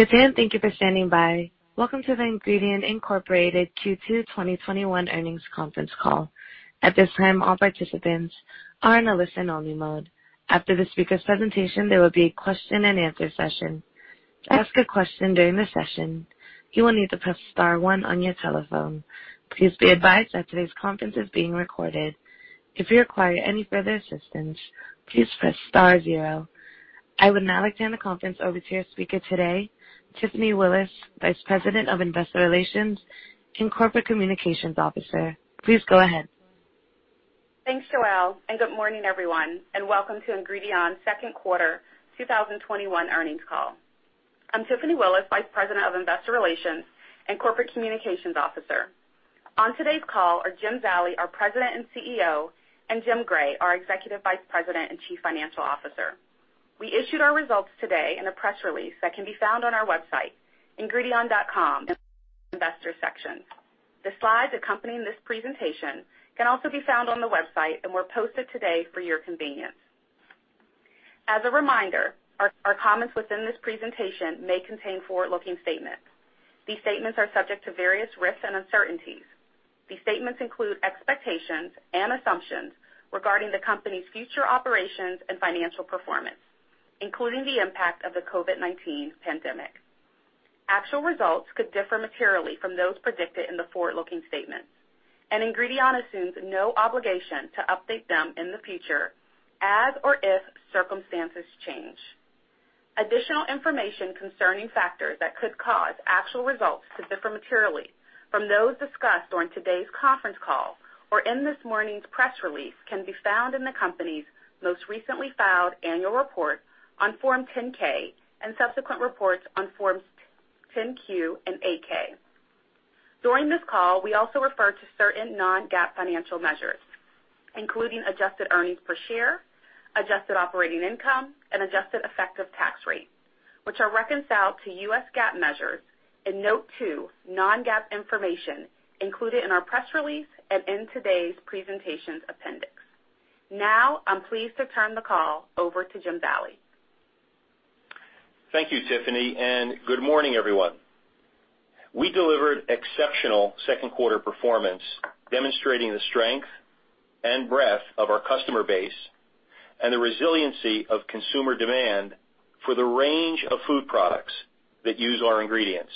Good day. Thank you for standing by. Welcome to the Ingredion Incorporated Q2 2021 Earnings Conference Call. At this time, all participants are in a listen-only mode. After the speaker's presentation, there will be a question-and-answer session. To ask a question during the session, you will need to press star one on your telephone. Please be advised that today's conference is being recorded. If you require any further assistance, please press star zero. I would now like to hand the conference over to your speaker today, Tiffany Willis, Vice President of Investor Relations and Corporate Communications Officer. Please go ahead. Thanks, Joelle, and good morning, everyone, and welcome to Ingredion's Q2 2021 earnings call. I'm Tiffany Willis, Vice President of Investor Relations and Corporate Communications Officer. On today's call are Jim Zallie, our President and CEO, and Jim Gray, our Executive Vice President and Chief Financial Officer. We issued our results today in a press release that can be found on our website, ingredion.com, Investor section. The slides accompanying this presentation can also be found on the website and were posted today for your convenience. As a reminder, our comments within this presentation may contain forward-looking statements. These statements are subject to various risks and uncertainties. These statements include expectations and assumptions regarding the company's future operations and financial performance, including the impact of the COVID-19 pandemic. Actual results could differ materially from those predicted in the forward-looking statements. Ingredion assumes no obligation to update them in the future as or if circumstances change. Additional information concerning factors that could cause actual results to differ materially from those discussed on today's conference call or in this morning's press release can be found in the company's most recently filed annual report on Form 10-K and subsequent reports on Forms 10-Q and 8-K. During this call, we also refer to certain non-GAAP financial measures, including adjusted earnings per share, adjusted operating income, and adjusted effective tax rate, which are reconciled to US GAAP measures in Note 2, Non-GAAP Information, included in our press release and in today's presentation appendix. Now, I'm pleased to turn the call over to Jim Zallie. Thank you, Tiffany. Good morning, everyone. We delivered exceptional Q2 performance, demonstrating the strength and breadth of our customer base and the resiliency of consumer demand for the range of food products that use our ingredients.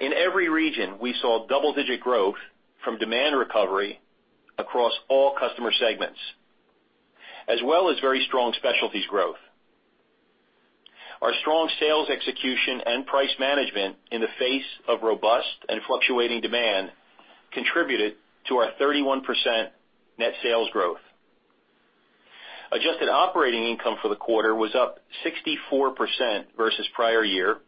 In every region, we saw double-digit growth from demand recovery across all customer segments, as well as very strong specialties growth. Our strong sales execution and price management in the face of robust and fluctuating demand contributed to our 31% net sales growth. Adjusted operating income for the quarter was up 64% versus prior year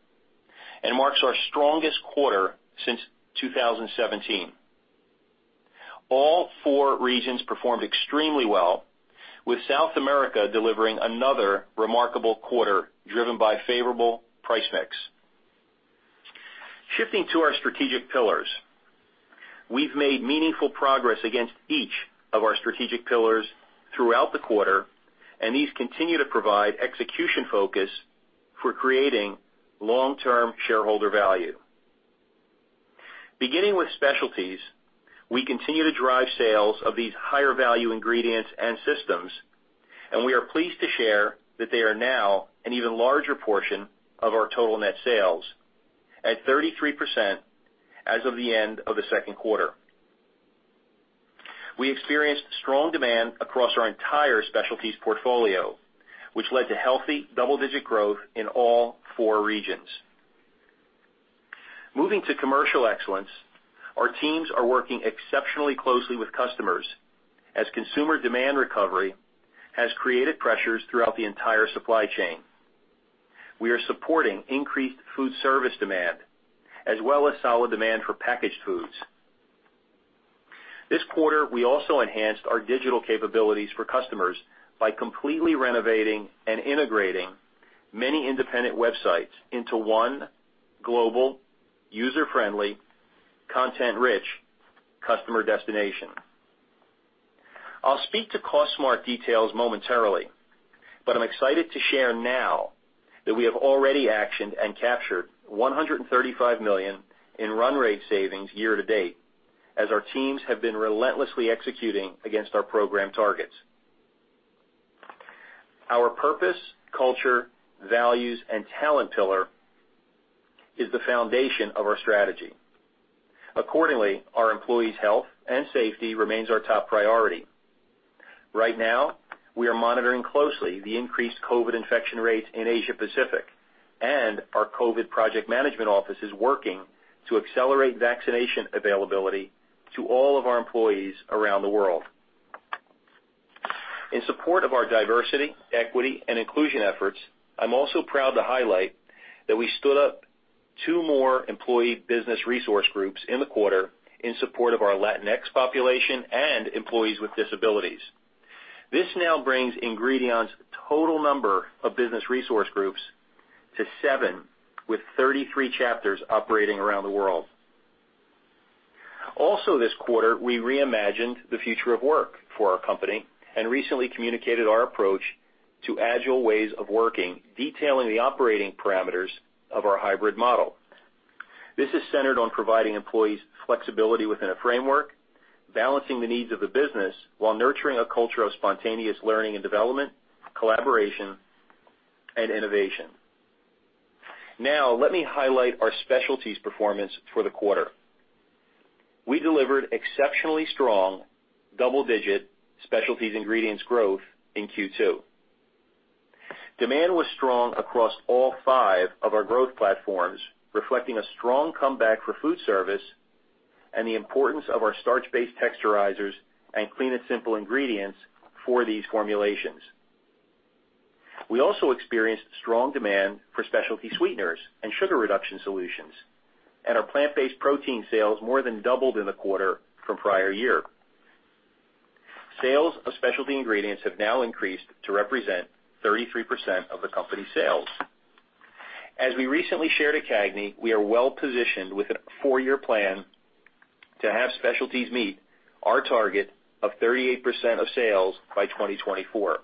and marks our strongest quarter since 2017. All four regions performed extremely well, with South America delivering another remarkable quarter, driven by favorable price mix. Shifting to our strategic pillars. We've made meaningful progress against each of our strategic pillars throughout the quarter, and these continue to provide execution focus for creating long-term shareholder value. Beginning with specialties, we continue to drive sales of these higher value ingredients and systems, and we are pleased to share that they are now an even larger portion of our total net sales at 33% as of the end of the Q2. We experienced strong demand across our entire specialties portfolio, which led to healthy double-digit growth in all four regions. Moving to commercial excellence, our teams are working exceptionally closely with customers as consumer demand recovery has created pressures throughout the entire supply chain. We are supporting increased food service demand as well as solid demand for packaged foods. This quarter, we also enhanced our digital capabilities for customers by completely renovating and integrating many independent websites into one global, user-friendly, content-rich customer destination. I'll speak to Cost Smart details momentarily, but I'm excited to share now that we have already actioned and captured $135 million in run rate savings year-to-date as our teams have been relentlessly executing against our program targets. Our purpose, culture, values, and talent pillar is the foundation of our strategy. Accordingly, our employees' health and safety remains our top priority. Right now, we are monitoring closely the increased COVID infection rates in Asia-Pacific, and our COVID project management office is working to accelerate vaccination availability to all of our employees around the world. In support of our diversity, equity, and inclusion efforts, I'm also proud to highlight that we stood up two more employee business resource groups in the quarter in support of our Latinx population and employees with disabilities. This now brings Ingredion's total number of business resource groups to seven, with 33 chapters operating around the world. Also this quarter, we reimagined the future of work for our company and recently communicated our approach to agile ways of working, detailing the operating parameters of our hybrid model. This is centered on providing employees flexibility within a framework, balancing the needs of the business while nurturing a culture of spontaneous learning and development, collaboration, and innovation. Now, let me highlight our specialties performance for the quarter. We delivered exceptionally strong double-digit specialties ingredients growth in Q2. Demand was strong across all five of our growth platforms, reflecting a strong comeback for food service and the importance of our starch-based texturizers and clean and simple ingredients for these formulations. We also experienced strong demand for specialty sweeteners and sugar reduction solutions, and our plant-based protein sales more than doubled in the quarter from prior year. Sales of specialty ingredients have now increased to represent 33% of the company's sales. As we recently shared at CAGNY, we are well-positioned with a four-year plan to have specialties meet our target of 38% of sales by 2024.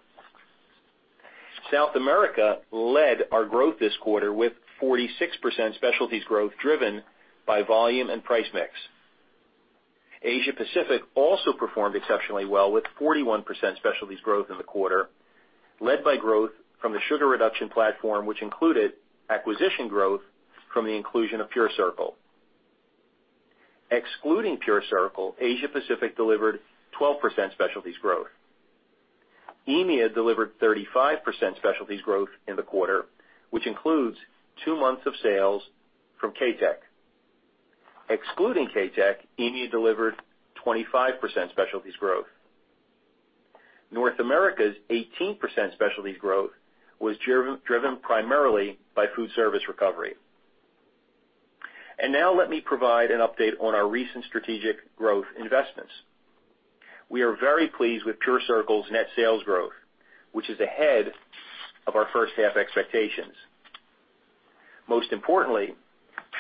South America led our growth this quarter, with 46% specialties growth driven by volume and price mix. Asia-Pacific also performed exceptionally well, with 41% specialties growth in the quarter, led by growth from the sugar reduction platform, which included acquisition growth from the inclusion of PureCircle. Excluding PureCircle, Asia-Pacific delivered 12% specialties growth. EMEA delivered 35% specialties growth in the quarter, which includes two months of sales from KaTech. Excluding KaTech, EMEA delivered 25% specialties growth. North America's 18% specialties growth was driven primarily by food service recovery. Now let me provide an update on our recent strategic growth investments. We are very pleased with PureCircle's net sales growth, which is ahead of our first half expectations. Most importantly,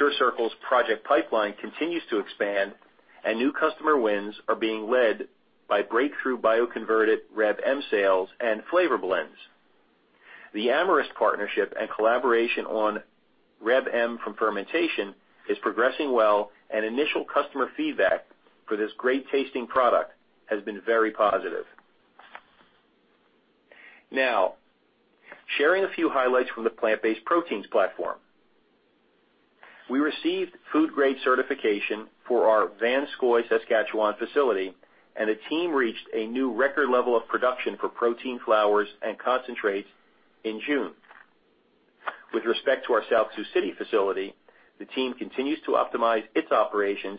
PureCircle's project pipeline continues to expand and new customer wins are being led by breakthrough bioconverted Reb M sales and flavor blends. The Amyris partnership and collaboration on Reb M from fermentation is progressing well, and initial customer feedback for this great-tasting product has been very positive. Now, sharing a few highlights from the plant-based proteins platform. We received food grade certification for our Vanscoy, Saskatchewan facility, and the team reached a new record level of production for protein flours and concentrates in June. With respect to our South Sioux City facility, the team continues to optimize its operations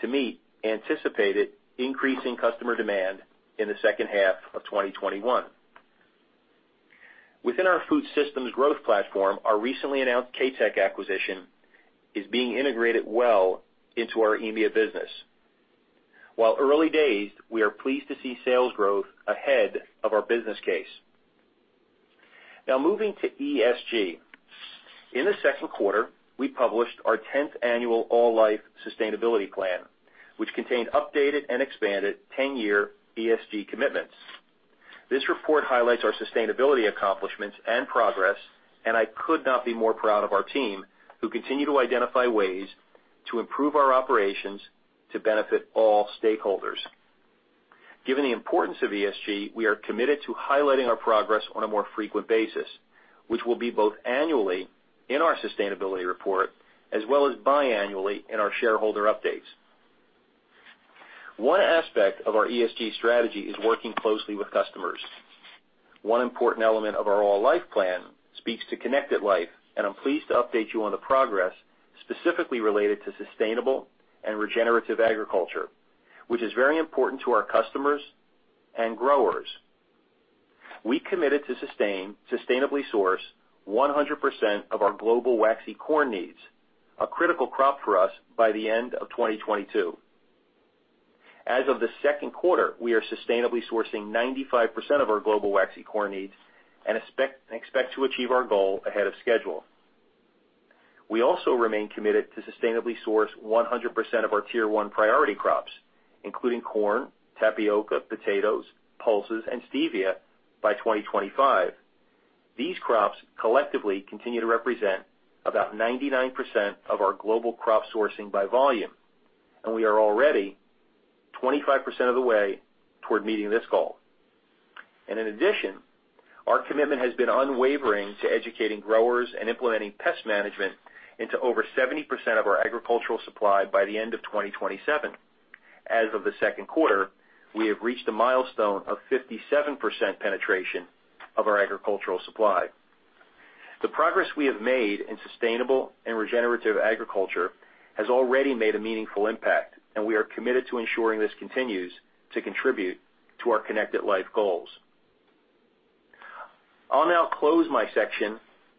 to meet anticipated increasing customer demand in the second half of 2021. Within our food systems growth platform, our recently announced KaTech acquisition is being integrated well into our EMEA business. While early days, we are pleased to see sales growth ahead of our business case. Moving to ESG. In the Q2, we published our 10th Annual All Life Sustainability Plan, which contained updated and expanded 10-year ESG commitments. This report highlights our sustainability accomplishments and progress, and I could not be more proud of our team, who continue to identify ways to improve our operations to benefit all stakeholders. Given the importance of ESG, we are committed to highlighting our progress on a more frequent basis, which will be both annually in our sustainability report as well as biannually in our shareholder updates. One aspect of our ESG strategy is working closely with customers. One important element of our All Life plan speaks to Connected Life, and I'm pleased to update you on the progress specifically related to sustainable and regenerative agriculture, which is very important to our customers and growers. We committed to sustainably source 100% of our global waxy corn needs, a critical crop for us, by the end of 2022. As of the Q2, we are sustainably sourcing 95% of our global waxy corn needs and expect to achieve our goal ahead of schedule. We also remain committed to sustainably source 100% of our Tier 1 priority crops, including corn, tapioca, potatoes, pulses, and stevia by 2025. These crops collectively continue to represent about 99% of our global crop sourcing by volume, and we are already 25% of the way toward meeting this goal. In addition, our commitment has been unwavering to educating growers and implementing pest management into over 70% of our agricultural supply by the end of 2027. As of the Q2, we have reached a milestone of 57% penetration of our agricultural supply. The progress we have made in sustainable and regenerative agriculture has already made a meaningful impact, and we are committed to ensuring this continues to contribute to our Connected Life goals. I'll now close my section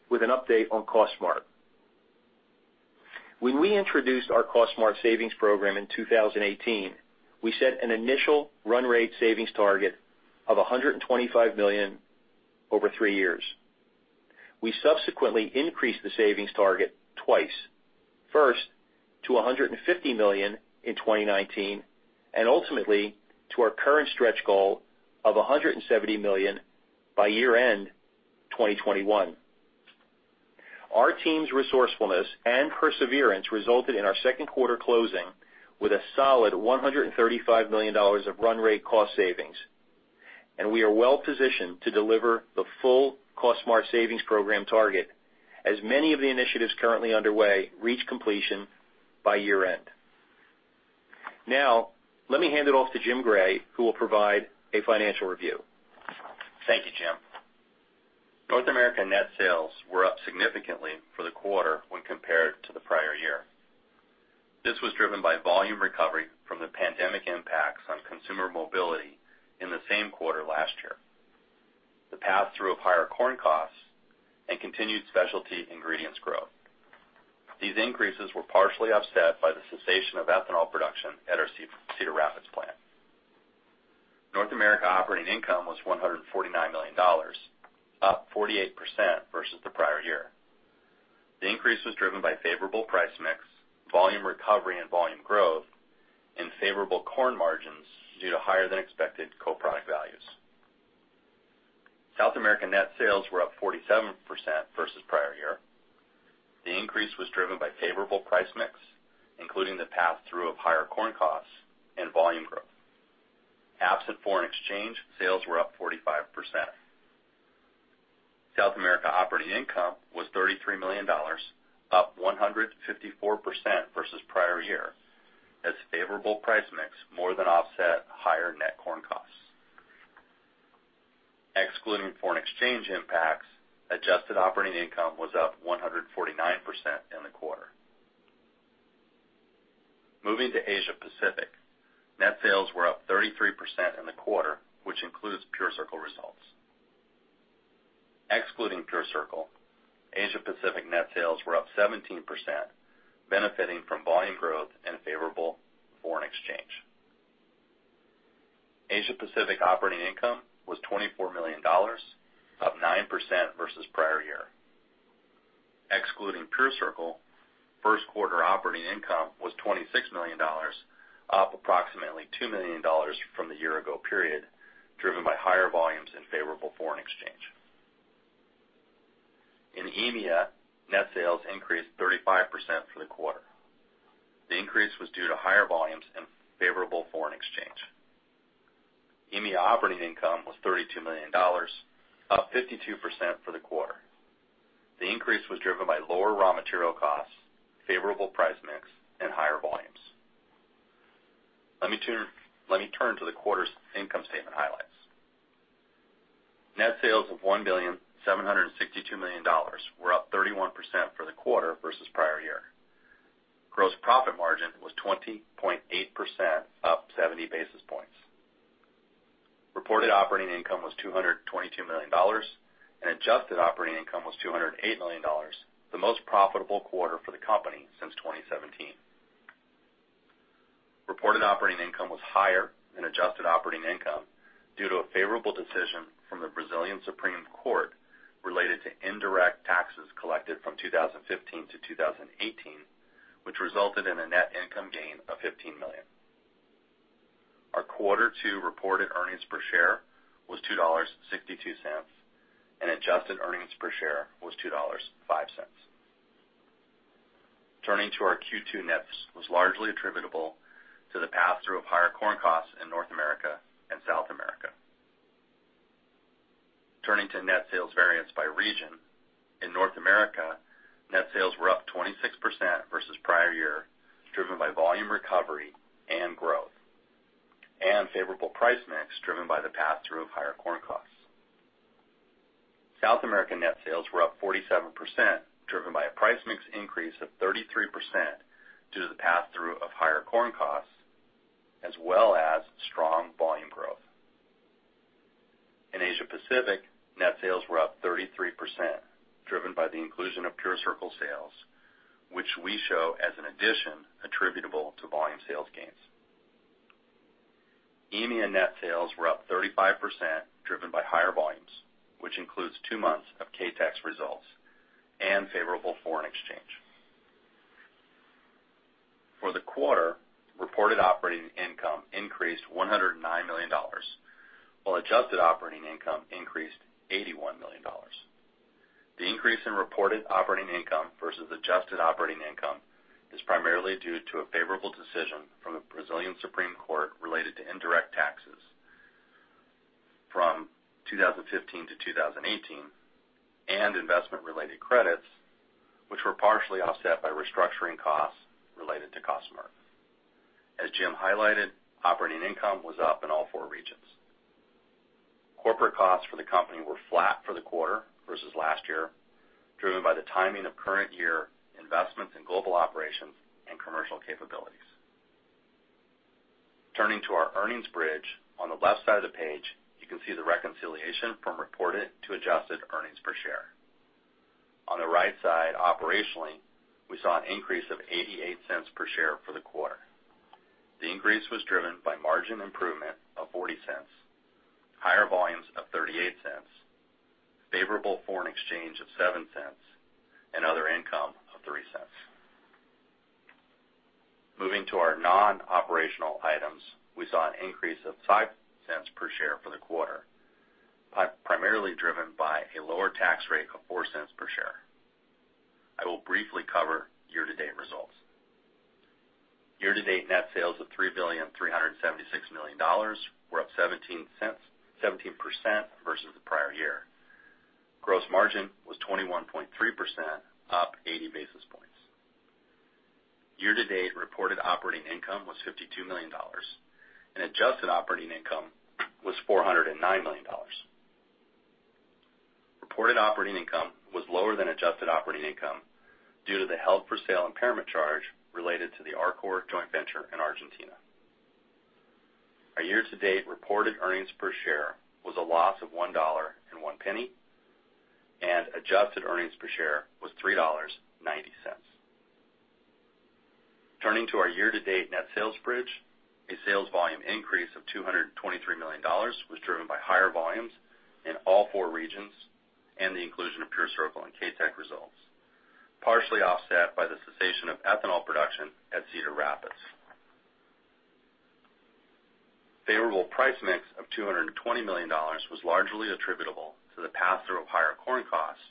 with an update on Cost Smart. When we introduced our Cost Smart Savings program in 2018, we set an initial run rate savings target of $125 million over three years. We subsequently increased the savings target twice. First, to $150 million in 2019, and ultimately to our current stretch goal of $170 million by year-end 2021. Our team's resourcefulness and perseverance resulted in our Q2 closing with a solid $135 million of run rate cost savings, and we are well-positioned to deliver the full Cost Smart Savings program target as many of the initiatives currently underway reach completion by year-end. Now, let me hand it off to Jim Gray, who will provide a financial review. Thank you, Jim. North American net sales were up significantly for the quarter when compared to the prior year. This was driven by volume recovery from the pandemic impacts on consumer mobility in the same quarter last year, the pass-through of higher corn costs, and continued specialty ingredients growth. These increases were partially offset by the cessation of ethanol production at our Cedar Rapids plant. North America operating income was $149 million, up 48% versus the prior year. The increase was driven by favorable price mix, volume recovery and volume growth, and favorable corn margins due to higher than expected co-product values. South America net sales were up 47% versus the prior year. The increase was driven by favorable price mix, including the pass-through of higher corn costs and volume growth. Absent foreign exchange, sales were up 45%. South America operating income was $33 million, up 154% versus the prior year as favorable price mix more than offset higher net corn costs. Excluding foreign exchange impacts, adjusted operating income was up 149% in the quarter. Moving to Asia-Pacific. Net sales were up 33% in the quarter, which includes PureCircle results. Excluding PureCircle, Asia-Pacific net sales were up 17%, benefiting from volume growth and favorable foreign exchange. Asia-Pacific operating income was $24 million, up 9% versus the prior year. Excluding PureCircle, Q1 operating income was $26 million, up approximately $2 million from the year ago period, driven by higher volumes in favorable foreign exchange. In EMEA, net sales increased 35% for the quarter. The increase was due to higher volumes and favorable foreign exchange. EMEA operating income was $32 million, up 52% for the quarter. The increase was driven by lower raw material costs, favorable price mix, and higher volumes. Let me turn to the quarter's income statement highlights. Net sales of $1.762 billion were up 31% for the quarter versus the prior year. Gross profit margin was 20.8% up 70 basis points. Reported operating income was $222 million, and adjusted operating income was $208 million, the most profitable quarter for the company since 2017. Reported operating income was higher than adjusted operating income due to a favorable decision from the Brazilian Supreme Court related to indirect taxes collected from 2015 to 2018, which resulted in a net income gain of $15 million. Our Q2 reported earnings per share was $2.62, and adjusted earnings per share was $2.05. Turning to our Q2 net, was largely attributable to the pass-through of higher corn costs in North America and South America. Turning to net sales variance by region. In North America, net sales were up 26% versus the prior year, driven by volume recovery and growth, and favorable price mix driven by the pass-through of higher corn costs. South American net sales were up 47%, driven by a price mix increase of 33% due to the pass-through of higher corn costs, as well as strong volume growth. In Asia-Pacific, net sales were up 33%, driven by the inclusion of PureCircle sales, which we show as an addition attributable to volume sales gains. EMEA net sales were up 35%, driven by higher volumes, which includes two months of KaTech results and favorable foreign exchange. For the quarter, reported operating income increased $109 million, while adjusted operating income increased $81 million. The increase in reported operating income versus adjusted operating income is primarily due to a favorable decision from the Brazilian Supreme Court related to indirect taxes from 2015 to 2018 and investment-related credits, which were partially offset by restructuring costs related to Cost Smart. As Jim highlighted, operating income was up in all four regions. Corporate costs for the company were flat for the quarter versus last year, driven by the timing of current year investments in global operations and commercial capabilities. Turning to our earnings bridge, on the left side of the page, you can see the reconciliation from reported to adjusted earnings per share. On the right side, operationally, we saw an increase of $0.88 per share for the quarter. The increase was driven by margin improvement of $0.40, higher volumes of $0.38, favorable foreign exchange of $0.07, and other income of $0.03. Moving to our non-operational items, we saw an increase of $0.05 per share for the quarter, primarily driven by a lower tax rate of $0.04 per share. I will briefly cover year-to-date results. Year-to-date net sales of $3.376 billion were up 17% versus the prior year. Gross margin was 21.3%, up 80 basis points. Year-to-date reported operating income was $52 million and adjusted operating income was $409 million. Reported operating income was lower than adjusted operating income due to the held-for-sale impairment charge related to the Arcor joint venture in Argentina. Our year-to-date reported earnings per share was a loss of $1.01, and adjusted earnings per share was $3.90. Turning to our year-to-date net sales bridge, a sales volume increase of $223 million was driven by higher volumes in all four regions and the inclusion of PureCircle and KaTech results, partially offset by the cessation of ethanol production at Cedar Rapids. Favorable price mix of $220 million was largely attributable to the pass-through of higher corn costs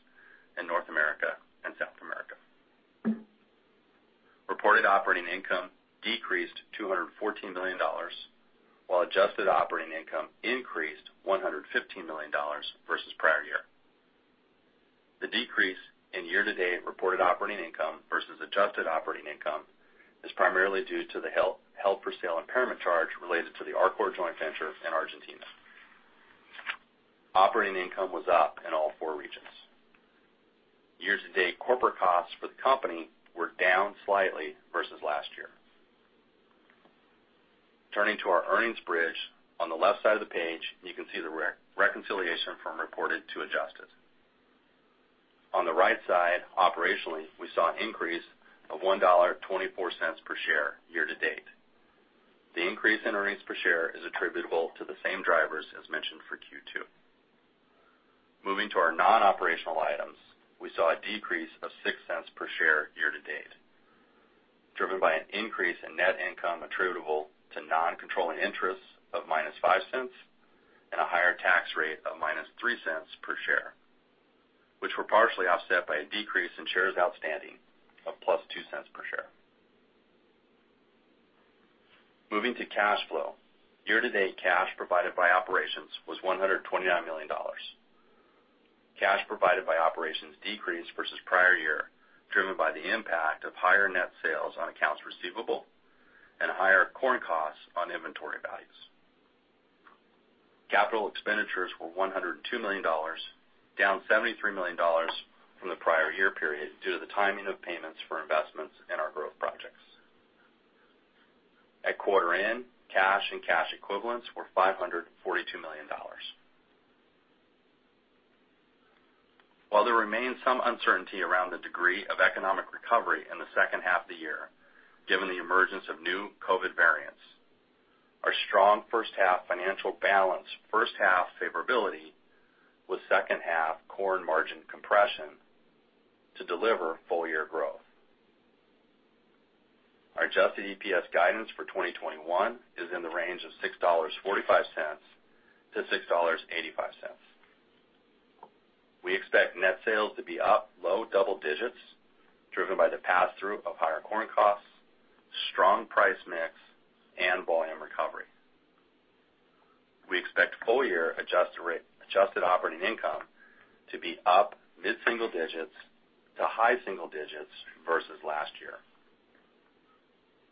in North America and South America. Reported operating income decreased to $214 million, while adjusted operating income increased $115 million versus the prior year. The decrease in year-to-date reported operating income versus adjusted operating income is primarily due to the held-for-sale impairment charge related to the Arcor joint venture in Argentina. Operating income was up in all four regions. Year-to-date corporate costs for the company were down slightly versus last year. Turning to our earnings bridge. On the left side of the page, you can see the reconciliation from reported to adjusted. On the right side, operationally, we saw an increase of $1.24 per share year-to-date. The increase in earnings per share is attributable to the same drivers as mentioned for Q2. Moving to our non-operational items, we saw a decrease of $0.06 per share year-to-date, driven by an increase in net income attributable to non-controlling interests of minus $0.05 and a higher tax rate of minus $0.03 per share, which were partially offset by a decrease in shares outstanding of +$0.02 per share. Moving to cash flow. Year-to-date cash provided by operations was $129 million. Cash provided by operations decreased versus the prior year, driven by the impact of higher net sales on accounts receivable and higher corn costs on inventory values. Capital expenditures were $102 million, down $73 million from the prior year period due to the timing of payments for investments in our growth projects. At quarter end, cash and cash equivalents were $542 million. While there remains some uncertainty around the degree of economic recovery in the second half of the year, given the emergence of new COVID variants, our strong first half financial balance first half favorability with second half corn margin compression to deliver full-year growth. Our adjusted EPS guidance for 2021 is in the range of $6.45-$6.85. We expect net sales to be up low double digits, driven by the pass-through of higher corn costs, strong price mix, and volume recovery. We expect full-year adjusted operating income to be up mid-single digits to high single digits versus last year.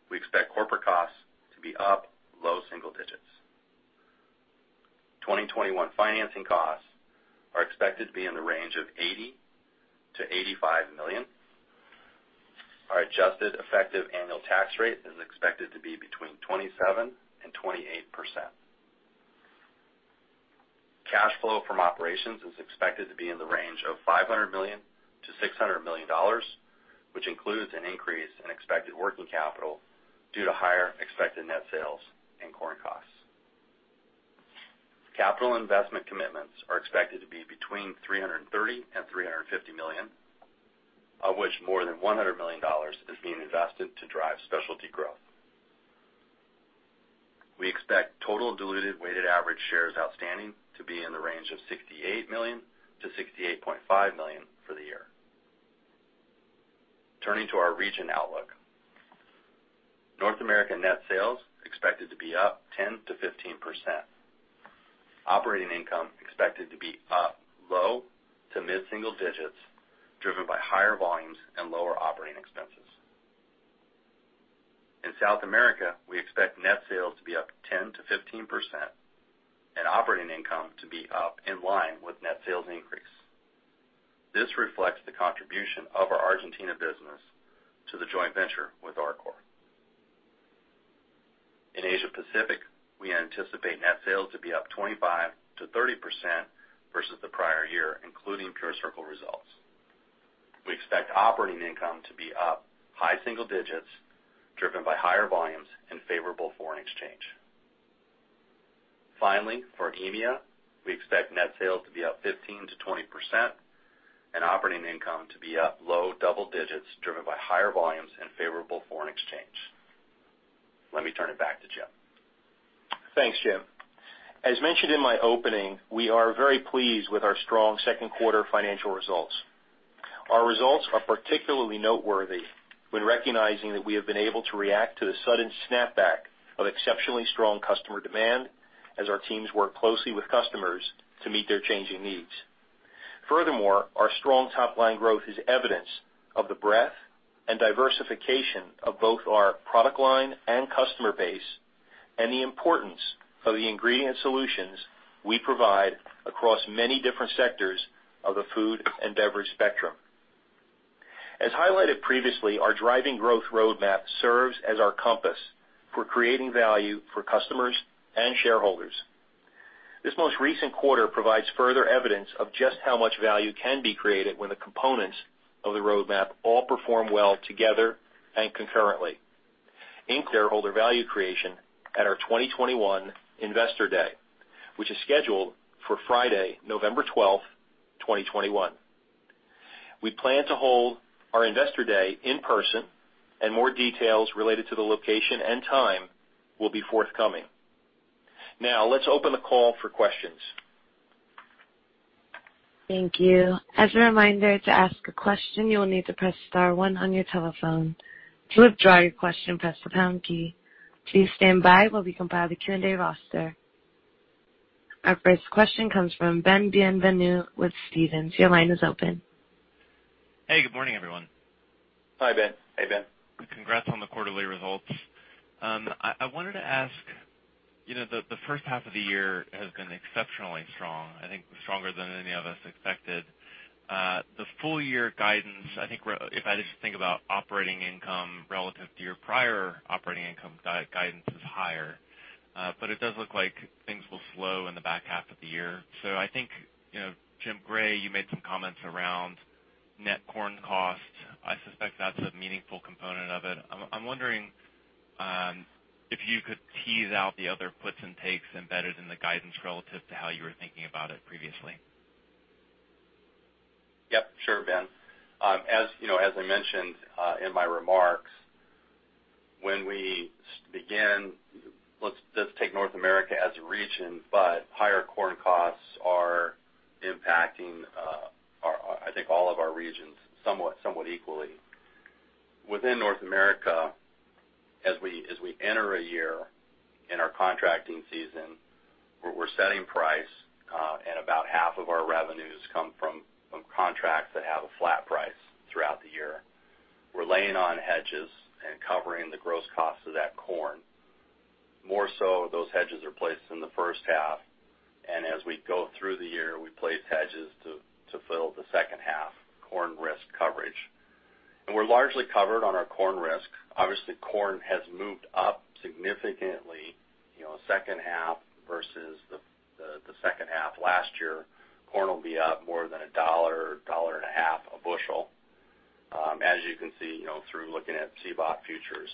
We expect corporate costs to be up low single digits. 2021 financing costs are expected to be in the range of $80 million-$85 million. Our adjusted effective annual tax rate is expected to be between 27% and 28%. Cash flow from operations is expected to be in the range of $500 million-$600 million, which includes an increase in expected working capital due to higher expected net sales and corn costs. Capital investment commitments are expected to be between $330 million-$350 million, of which more than $100 million is being invested to drive specialty growth. We expect total diluted weighted average shares outstanding to be in the range of 68 million-68.5 million for the year. Turning to our region outlook. North American net sales expected to be up 10%-15%. Operating income expected to be up low to mid-single digits, driven by higher volumes and lower operating expenses. In South America, we expect net sales to be up 10%-15% and operating income to be up in line with net sales increase. This reflects the contribution of our Argentina business to the joint venture with Arcor. In Asia-Pacific, we anticipate net sales to be up 25%-30% versus the prior year, including PureCircle results. We expect operating income to be up high single digits, driven by higher volumes and favorable foreign exchange. Finally, for EMEA, we expect net sales to be up 15%-20% and operating income to be up low double digits, driven by higher volumes and favorable foreign exchange. Let me turn it back to Jim. Thanks, Jim. As mentioned in my opening, we are very pleased with our strong Q2 financial results. Our results are particularly noteworthy when recognizing that we have been able to react to the sudden snap back of exceptionally strong customer demand as our teams work closely with customers to meet their changing needs. Furthermore, our strong top-line growth is evidence of the breadth and diversification of both our product line and customer base, and the importance of the ingredient solutions we provide across many different sectors of the food and beverage spectrum. As highlighted previously, our driving growth roadmap serves as our compass for creating value for customers and shareholders. This most recent quarter provides further evidence of just how much value can be created when the components of the roadmap all perform well together and concurrently. [inaudible] shareholder value creation at our 2021 Investor Day, which is scheduled for Friday, November 12th, 2021. We plan to hold our Investor Day in person and more details related to the location and time will be forthcoming. Let's open the call for questions. Thank you. As a reminder, to ask a question, you will need to press star one on your telephone. To withdraw your question, press the pound key. Please stand by while we compile the Q&A roster. Our first question comes from Ben Bienvenu with Stephens. Your line is open. Hey, good morning, everyone. Hi, Ben. Hi, Ben. Congrats on the quarterly results. I wanted to ask, the first half of the year has been exceptionally strong, I think stronger than any of us expected. The full year guidance, I think if I just think about operating income relative to your prior operating income, guidance is higher. It does look like things will slow in the back half of the year. I think, Jim Gray, you made some comments around net corn costs. I suspect that's a meaningful component of it. I'm wondering if you could tease out the other puts and takes embedded in the guidance relative to how you were thinking about it previously. Yep. Sure, Ben. As I mentioned in my remarks, when we begin, let's take North America as a region. Higher corn costs are impacting I think all of our regions somewhat equally. Within North America, as we enter a year in our contracting season where we're setting price and about half of our revenues come from contracts that have a flat price throughout the year, we're laying on hedges and covering the gross cost of that corn. More so, those hedges are placed in the first half. As we go through the year, we place hedges to fill the second half corn risk coverage. We're largely covered on our corn risk. Obviously, corn has moved up significantly, second half versus the second half last year, corn will be up more than $1, $1.50 a bushel. As you can see, through looking at CBOT futures.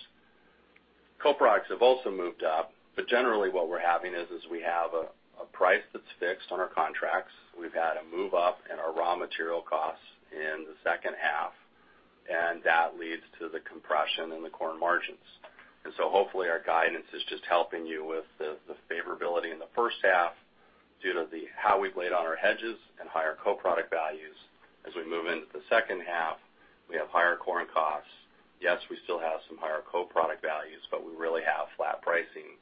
Co-products have also moved up, but generally what we're having is, we have a price that's fixed on our contracts. We've had a move up in our raw material costs in the second half, and that leads to the compression in the corn margins. Hopefully our guidance is just helping you with the favorability in the first half due to how we've laid on our hedges and higher co-product values. As we move into the second half, we have higher corn costs. Yes, we still have some higher co-product values, but we really have flat pricing,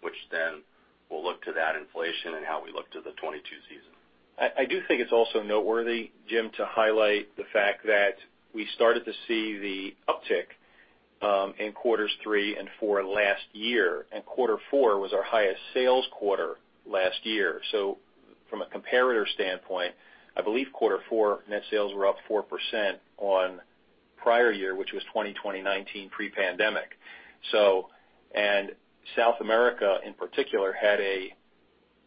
which then will look to that inflation and how we look to the 2022 season. I do think it's also noteworthy, Jim, to highlight the fact that we started to see the uptick in quarters three and four last year, and Q4 was our highest sales quarter last year. From a comparator standpoint, I believe Q4 net sales were up 4% on prior year, which was 2020/2019 pre-pandemic. South America in particular had a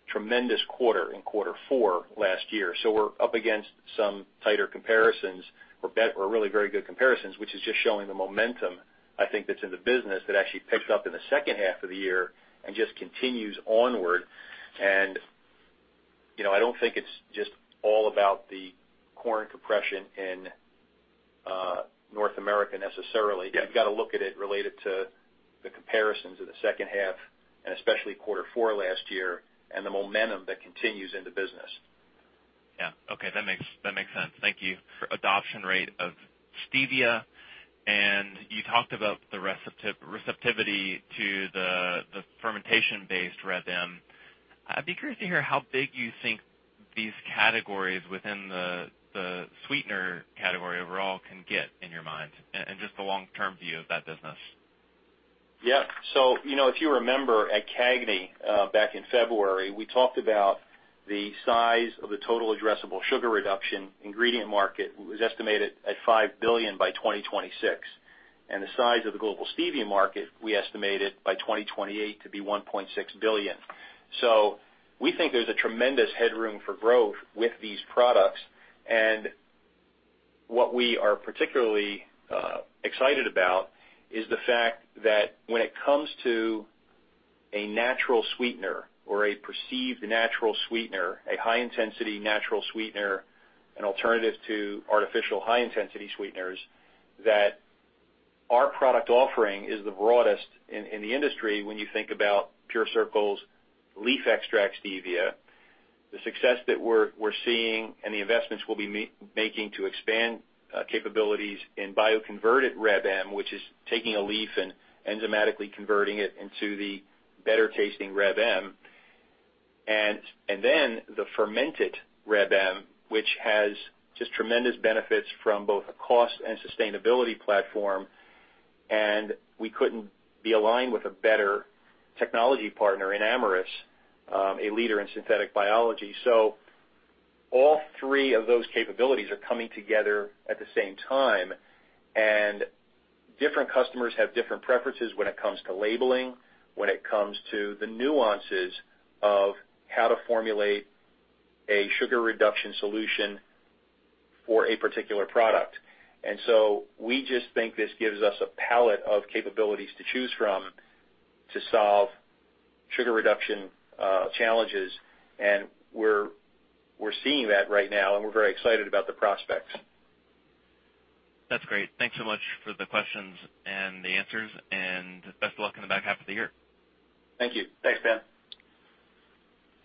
tremendous quarter in Q4 last year. We're up against some tighter comparisons or really very good comparisons, which is just showing the momentum, I think, that's in the business that actually picks up in the second half of the year and just continues onward. I don't think it's just all about the corn compression in North America necessarily. You've got to look at it related to the comparisons in the second half, and especially quarter four last year and the momentum that continues in the business. Yeah. Okay. That makes sense. Thank you. For adoption rate of stevia and you talked about the receptivity to the fermentation-based Reb M. I'd be curious to hear how big you think these categories within the sweetener category overall can get in your mind and just the long-term view of that business. Yeah. If you remember at CAGNY, back in February, we talked about the size of the total addressable sugar reduction ingredient market was estimated at $5 billion by 2026. The size of the global stevia market, we estimate it by 2028 to be $1.6 billion. We think there's a tremendous headroom for growth with these products. What we are particularly excited about is the fact that when it comes to a natural sweetener or a perceived natural sweetener, a high-intensity natural sweetener, an alternative to artificial high-intensity sweeteners, that our product offering is the broadest in the industry when you think about PureCircle's leaf extract stevia. The success that we're seeing and the investments we'll be making to expand capabilities in bioconverted Reb M, which is taking a leaf and enzymatically converting it into the better-tasting Reb M. The fermented Reb M, which has just tremendous benefits from both a cost and sustainability platform. We couldn't be aligned with a better technology partner in Amyris, a leader in synthetic biology. All three of those capabilities are coming together at the same time, and different customers have different preferences when it comes to labeling, when it comes to the nuances of how to formulate a sugar reduction solution for a particular product. We just think this gives us a palette of capabilities to choose from to solve sugar reduction challenges. We're seeing that right now, and we're very excited about the prospects. That's great. Thanks so much for the questions and the answers. Best of luck in the back half of the year. Thank you. Thanks, Ben.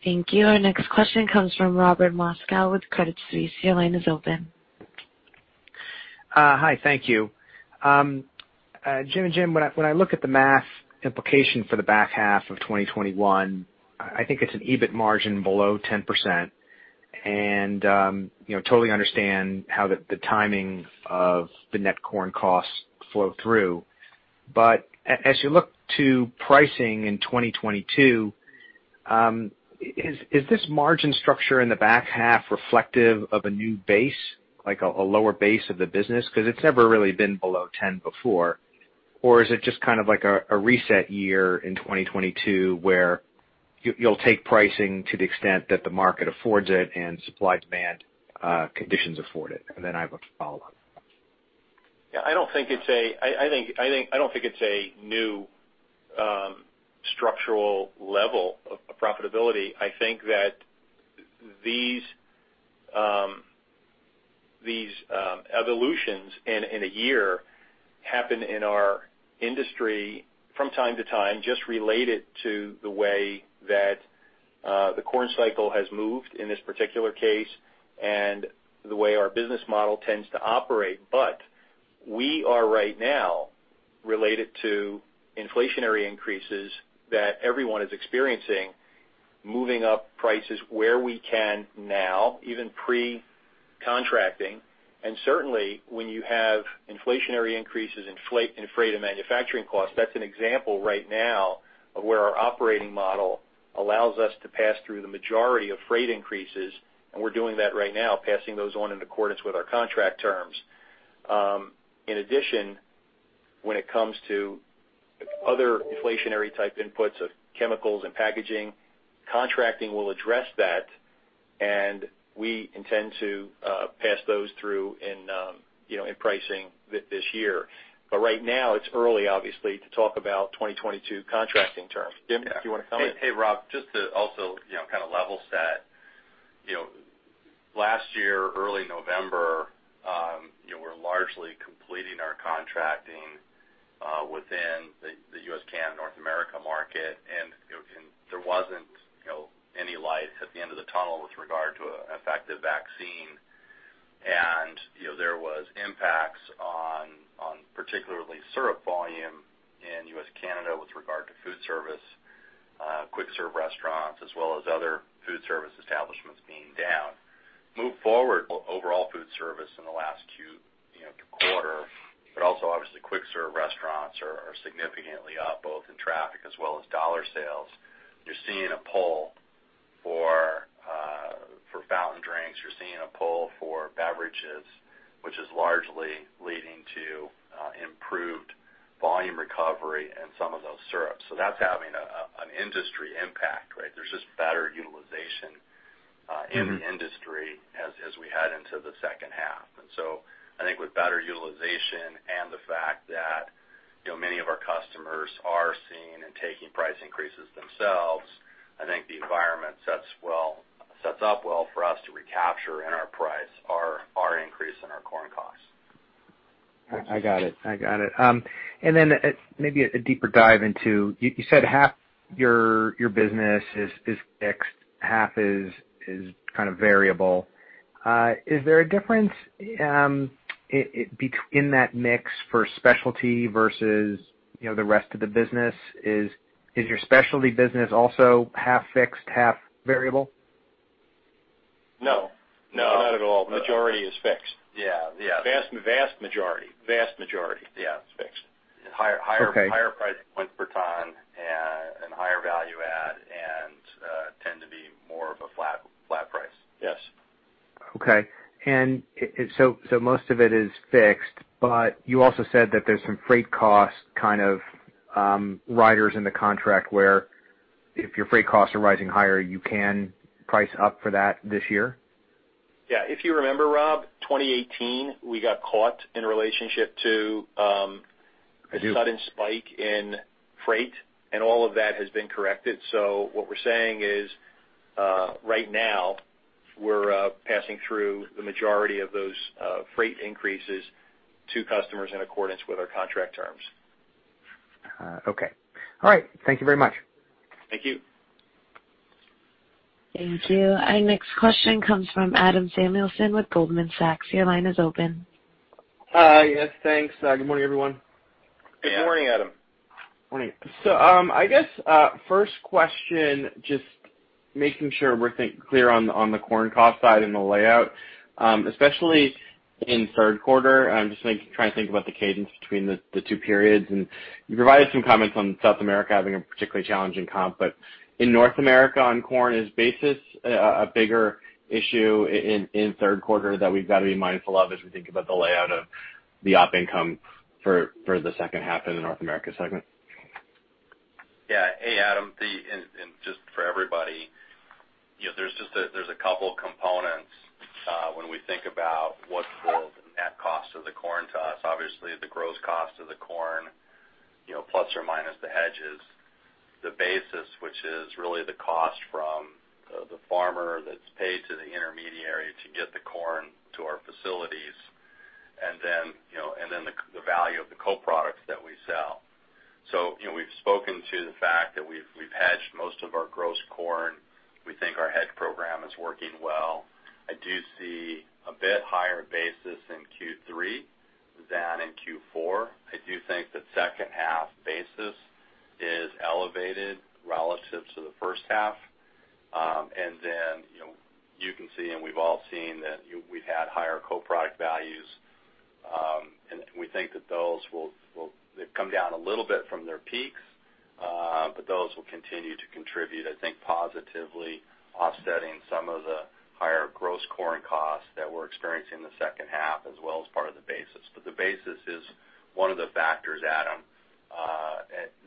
Thank you. Our next question comes from Robert Moskow with Credit Suisse. Your line is open. Hi, thank you. Jim and Jim, when I look at the math implication for the back half of 2021, I think it's an EBIT margin below 10%. I totally understand how the timing of the net corn costs flow through. As you look to pricing in 2022, is this margin structure in the back half reflective of a new base, like a lower base of the business? Because it's never really been below 10% before. Is it just kind of like a reset year in 2022, where you'll take pricing to the extent that the market affords it and supply-demand conditions afford it? Then I have a follow-up. Yeah, I don't think it's a new structural level of profitability. I think that these evolutions in a year happen in our industry from time to time, just related to the way that the corn cycle has moved in this particular case and the way our business model tends to operate. We are right now related to inflationary increases that everyone is experiencing, moving up prices where we can now, even pre-contracting. Certainly, when you have inflationary increases in freight and manufacturing costs, that's an example right now of where our operating model allows us to pass through the majority of freight increases, and we're doing that right now, passing those on in accordance with our contract terms. In addition, when it comes to other inflationary type inputs of chemicals and packaging, contracting will address that, and we intend to pass those through in pricing this year. Right now, it's early, obviously, to talk about 2022 contracting terms. Jim, do you want to comment? Hey, Rob, just to also kind of level set. Last year, early November, we were largely completing our contracting within the U.S., Canada, North America market, and there wasn't any light at the end of the tunnel with regard to an effective vaccine. There was impacts on particularly syrup volume in U.S., Canada with regard to food service, quick-serve restaurants, as well as other food service establishments being down. Move forward, overall food service in the last quarter, but also obviously quick-serve restaurants are significantly up, both in traffic as well as dollar sales. You're seeing a pull for fountain drinks. You're seeing a pull for beverages, which is largely leading to improved volume recovery in some of those syrups. That's having an industry impact, right? There's just better utilization in the industry as we head into the second half. I think with better utilization and the fact that many of our customers are seeing and taking price increases themselves, I think the environment sets up well for us to recapture in our price our increase in our corn costs. I got it. Maybe a deeper dive into You said half your business is fixed, half is kind of variable. Is there a difference in that mix for specialty versus the rest of the business? Is your specialty business also half fixed, half variable? No. Not at all. Majority is fixed. Yeah. Vast majority is fixed. Higher price points per ton and higher value add and more of a flat price. Yes. Okay. Most of it is fixed, but you also said that there's some freight cost kind of riders in the contract where if your freight costs are rising higher, you can price up for that this year. Yeah. If you remember, Rob, 2018, we got caught in relationship to a sudden spike in freight, all of that has been corrected. What we're saying is, right now, we're passing through the majority of those freight increases to customers in accordance with our contract terms. Okay. All right. Thank you very much. Thank you. Thank you. Our next question comes from Adam Samuelson with Goldman Sachs. Your line is open. Hi. Yes, thanks. Good morning, everyone. Good morning, Adam. Morning. I guess, first question, just making sure we're clear on the corn cost side and the layout, especially in the Q3. I'm just trying to think about the cadence between the two periods, and you provided some comments on South America having a particularly challenging comp. In North America on corn, is basis a bigger issue in the Q3 that we've got to be mindful of as we think about the layout of the op income for the second half in the North America segment? Yeah. Hey, Adam, just for everybody, there's a couple of components when we think about what the net cost of the corn to us, obviously the gross cost of the corn plus or minus the hedges. The basis, which is really the cost from the farmer that's paid to the intermediary to get the corn to our facilities. Then the value of the co-products that we sell. We've spoken to the fact that we've hedged most of our gross corn. We think our hedge program is working well. I do see a bit higher basis in Q3 than in Q4. I do think that the second half basis is elevated relative to the first half. Then, you can see, we've all seen that we've had higher co-product values. We think that those will come down a little bit from their peaks. Those will continue to contribute, I think, positively offsetting some of the higher gross corn costs that we're experiencing in the second half, as well as part of the basis. The basis is one of the factors, Adam,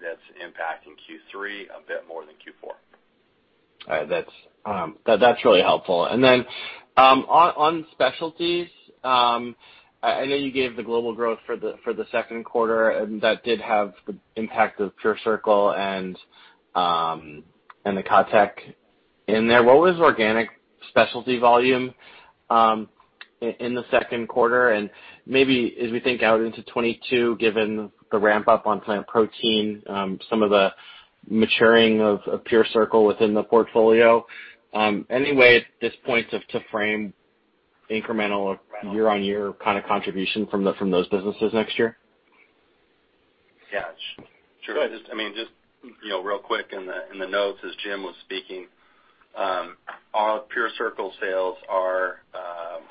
that's impacting Q3 a bit more than Q4. All right. That's really helpful. On specialties, I know you gave the global growth for the 2Q, and that did have the impact of PureCircle and the KaTech in there. What was organic specialty volume in the 2Q? Maybe as we think out into 2022, given the ramp-up on plant protein, some of the maturing of PureCircle within the portfolio, any way at this point to frame incremental or year-on-year kind of contribution from those businesses next year? Go ahead. Just real quick, in the notes as Jim was speaking, all PureCircle sales are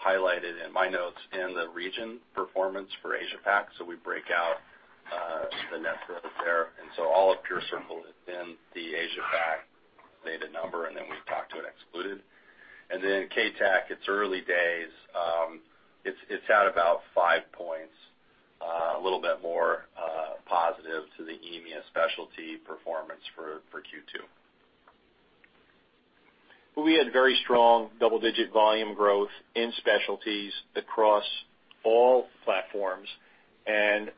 highlighted in my notes in the region performance for Asia-Pac. We break out the net growth there. All of PureCircle is in the Asia-Pac data number, and then we talk to it excluded. KaTech, it's early days. It's at about 5 points, a little bit more positive to the EMEA specialty performance for Q2. We had very strong double-digit volume growth in specialties across all platforms, and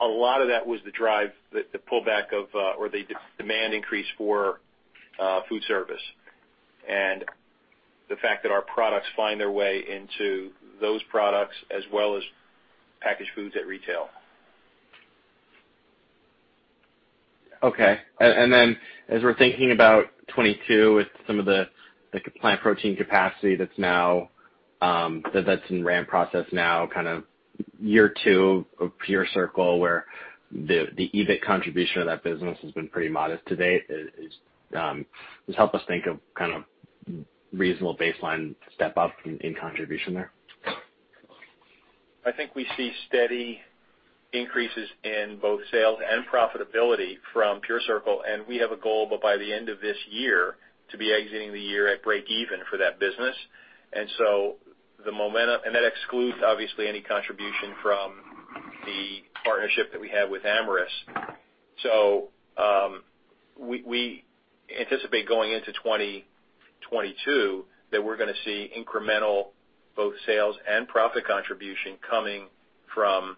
a lot of that was the drive, the pullback of, or the demand increase for food service. The fact that our products find their way into those products as well as packaged foods at retail. Okay. As we're thinking about 2022 with some of the plant protein capacity that's in the ramp process now, kind of year two of PureCircle, where the EBIT contribution of that business has been pretty modest to date, just help us think of a reasonable baseline step-up in contribution there? I think we see steady increases in both sales and profitability from PureCircle. We have a goal by the end of this year to be exiting the year at breakeven for that business. That excludes, obviously, any contribution from the partnership that we have with Amyris. We anticipate going into 2022 that we're going to see incremental both sales and profit contribution coming from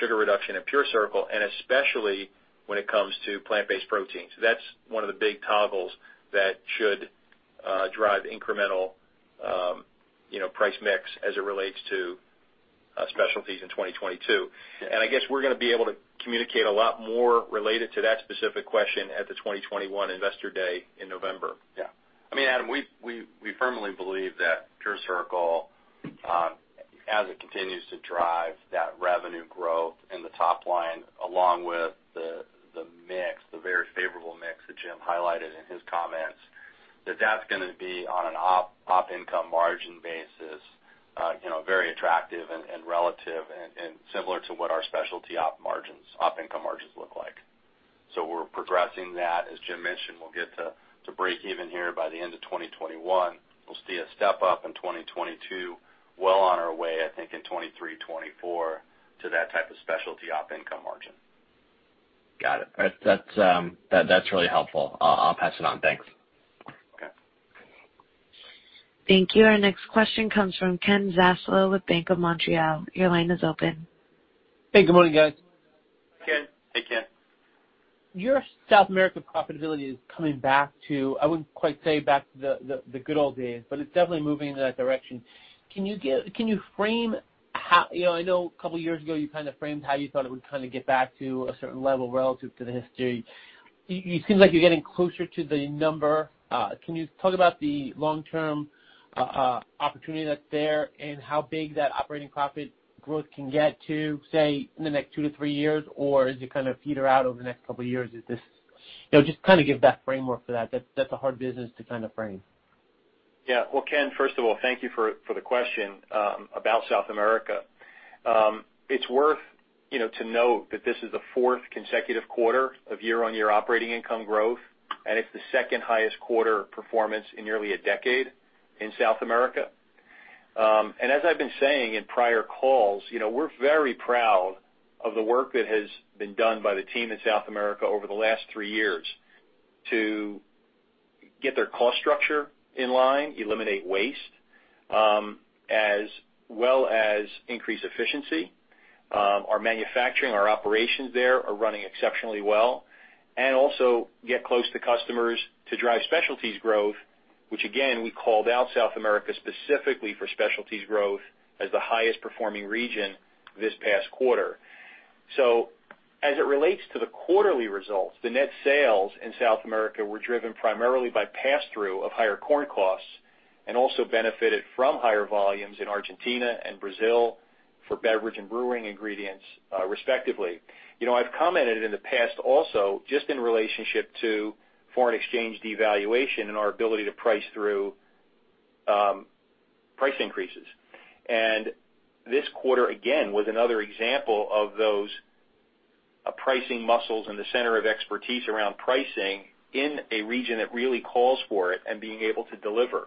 sugar reduction in PureCircle, and especially when it comes to plant-based proteins. That's one of the big toggles that should drive incremental price mix as it relates to specialties in 2022. I guess we're going to be able to communicate a lot more related to that specific question at the 2021 Investor Day in November. Yeah. Adam, we firmly believe that PureCircle, as it continues to drive that revenue growth in the top line along with the mix, the very favorable mix that Jim highlighted in his comments. That's going to be on an op income margin basis, very attractive and relative and similar to what our specialty op income margins look like. We're progressing that. As Jim mentioned, we'll get to break even here by the end of 2021. We'll see a step up in 2022, well on our way, I think, in 2023, 2024, to that type of specialty op income margin. Got it. That's really helpful. I'll pass it on. Thanks. Thank you. Our next question comes from Ken Zaslow with Bank of Montreal. Your line is open. Hey, good morning, guys. Ken, hey, Ken. Your South America profitability is coming back to, I wouldn't quite say back to the good old days, but it's definitely moving in that direction. I know two years ago you framed how you thought it would get back to a certain level relative to the history. It seems like you're getting closer to the number. Can you talk about the long-term opportunity that's there and how big that operating profit growth can get to, say, in the next two to three years? Or does it kind of peter out over the next two years? Just give that framework for that. That's a hard business to frame. Yeah. Well, Ken, first of all, thank you for the question about South America. It's worth to note that this is the fourth consecutive quarter of year-over-year operating income growth, and it's the second highest quarter performance in nearly a decade in South America. As I've been saying in prior calls, we're very proud of the work that has been done by the team in South America over the last three years to get their cost structure in line, eliminate waste, as well as increase efficiency. Our manufacturing, our operations there are running exceptionally well. Also get close to customers to drive specialties growth, which again, we called out South America specifically for specialties growth as the highest performing region this past quarter. As it relates to the quarterly results, the net sales in South America were driven primarily by pass-through of higher corn costs, and also benefited from higher volumes in Argentina and Brazil for beverage and brewing ingredients, respectively. I've commented in the past also, just in relationship to foreign exchange devaluation and our ability to price through price increases. This quarter, again, was another example of those pricing muscles in the center of expertise around pricing in a region that really calls for it and being able to deliver.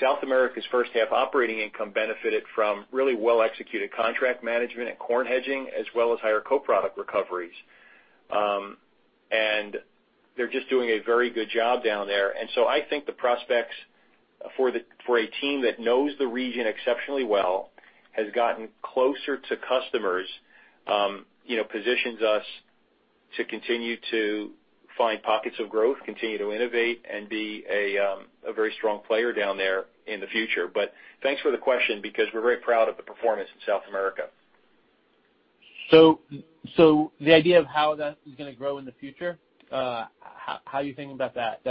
South America's first half operating income benefited from really well-executed contract management and corn hedging, as well as higher co-product recoveries. They're just doing a very good job down there. I think the prospects for a team that knows the region exceptionally well, has gotten closer to customers, positions us to continue to find pockets of growth, continue to innovate, and be a very strong player down there in the future. Thanks for the question because we're very proud of the performance in South America. The idea of how that is going to grow in the future, how are you thinking about that?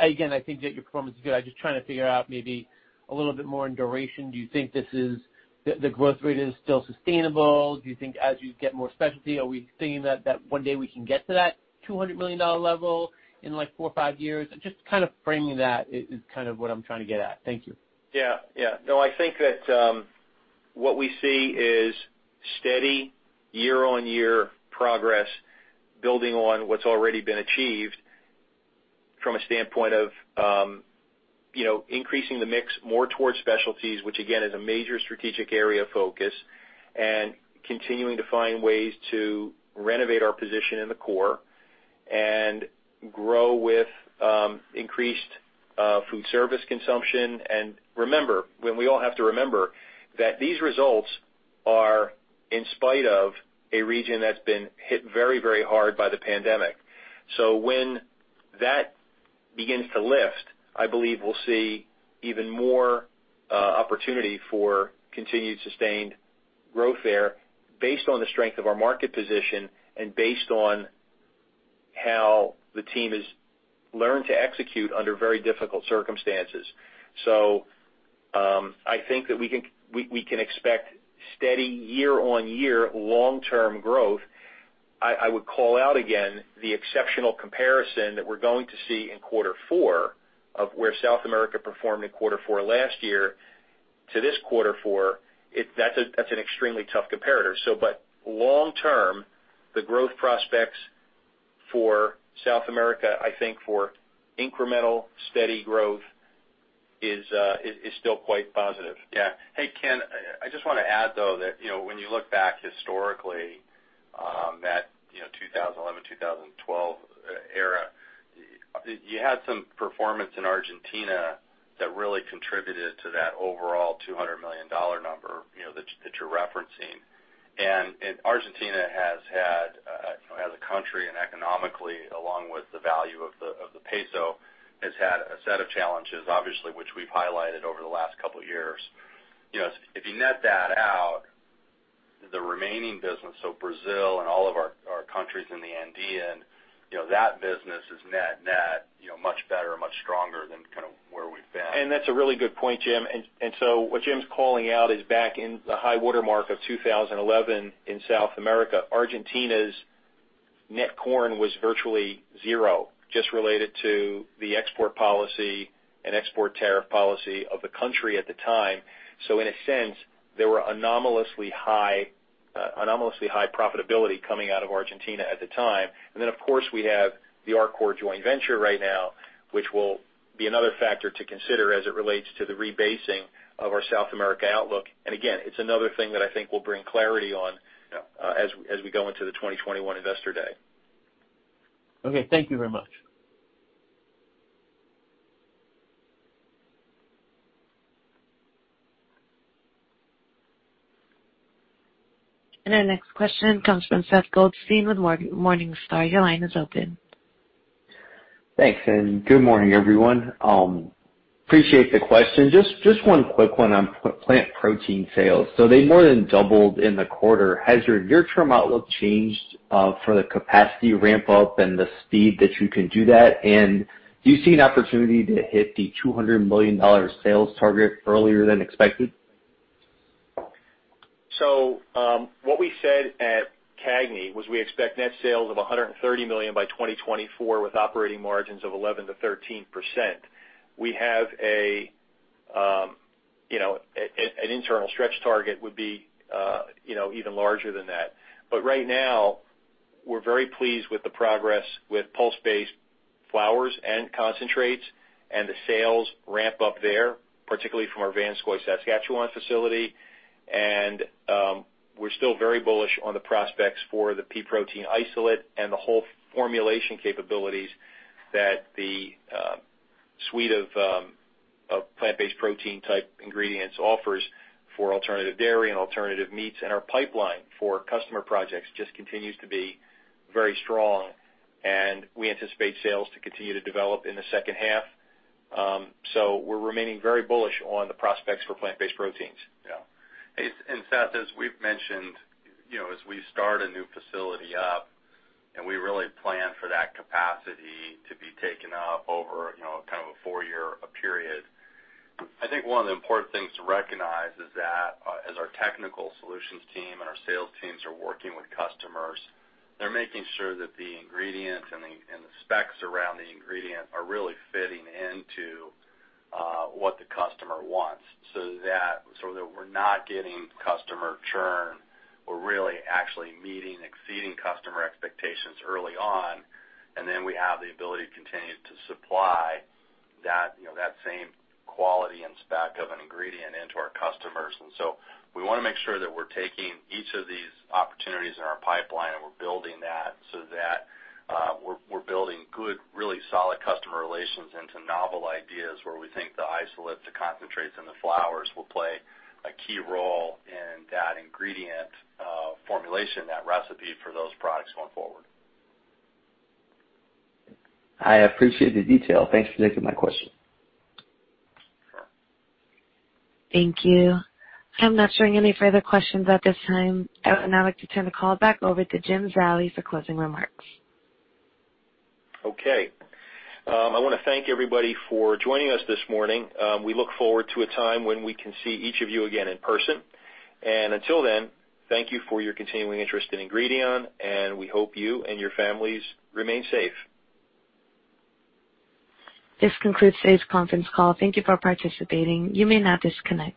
Again, I think that your performance is good. I'm just trying to figure out maybe a little bit more in duration. Do you think the growth rate is still sustainable? Do you think as you get more specialty, are we thinking that one day we can get to that $200 million level in four or five years? Just framing that is what I'm trying to get at. Thank you. No, I think that what we see is steady year-on-year progress building on what's already been achieved from a standpoint of increasing the mix more towards specialties, which again is a major strategic area of focus, and continuing to find ways to renovate our position in the core and grow with increased food service consumption. We all have to remember that these results are in spite of a region that's been hit very hard by the pandemic. When that begins to lift, I believe we'll see even more opportunity for continued sustained growth there based on the strength of our market position and based on how the team has learned to execute under very difficult circumstances. I think that we can expect steady year-on-year long-term growth. I would call out again the exceptional comparison that we're going to see in quarter four of where South America performed in Q4 last year to this Q4. That's an extremely tough comparator. Long term, the growth prospects for South America, I think for incremental steady growth, is still quite positive. Yeah. Hey, Ken, I just want to add, though, that when you look back historically, that 2011, 2012 era, you had some performance in Argentina that really contributed to that overall $200 million number that you're referencing. Argentina has had, as a country and economically, along with the value of the peso, has had a set of challenges, obviously, which we've highlighted over the last couple of years. If you net that out, the remaining business, so Brazil and all of our countries in the Andean, that business is net much better and much stronger than when That's a really good point, Jim. What Jim's calling out is back in the high water mark of 2011 in South America, Argentina's net corn was virtually zero, just related to the export policy and export tariff policy of the country at the time. In a sense, there were anomalously high profitability coming out of Argentina at the time. Then, of course, we have the Arcor joint venture right now, which will be another factor to consider as it relates to the rebasing of our South America outlook. Again, it's another thing that I think we'll bring clarity on as we go into the 2021 Investor Day. Okay, thank you very much. Our next question comes from Seth Goldstein with Morningstar. Your line is open. Thanks, good morning, everyone. Appreciate the question. Just 1 quick one on plant protein sales. They more than doubled in the quarter. Has your near-term outlook changed for the capacity ramp up and the speed that you can do that? Do you see an opportunity to hit the $200 million sales target earlier than expected? What we said at CAGNY was we expect net sales of $130 million by 2024, with operating margins of 11%-13%. We have an internal stretch target would be even larger than that. Right now, we're very pleased with the progress with pulse-based flours and concentrates and the sales ramp up there, particularly from our Vanscoy, Saskatchewan facility. We're still very bullish on the prospects for the pea protein isolate and the whole formulation capabilities that the suite of plant-based protein type ingredients offers for alternative dairy and alternative meats. Our pipeline for customer projects just continues to be very strong, and we anticipate sales to continue to develop in the second half. We're remaining very bullish on the prospects for plant-based proteins. Yeah. Seth, as we've mentioned, as we start a new facility up and we really plan for that capacity to be taken up over kind of a four-year period, I think one of the important things to recognize is that as our technical solutions team and our sales teams are working with customers, they're making sure that the ingredient and the specs around the ingredient are really fitting into what the customer wants so that we're not getting customer churn. We're really actually meeting, exceeding customer expectations early on, and then we have the ability to continue to supply that same quality and spec of an ingredient into our customers. We want to make sure that we're taking each of these opportunities in our pipeline, and we're building that so that we're building good, really solid customer relations into novel ideas where we think the isolates, the concentrates, and the flours will play a key role in that ingredient formulation, that recipe for those products going forward. I appreciate the detail. Thanks for taking my question. Thank you. I'm not showing any further questions at this time. I would now like to turn the call back over to Jim Zallie for closing remarks. Okay. I want to thank everybody for joining us this morning. We look forward to a time when we can see each of you again in person. Until then, thank you for your continuing interest in Ingredion, and we hope you and your families remain safe. This concludes today's conference call. Thank you for participating. You may now disconnect.